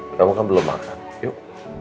kenapa kan belum makan yuk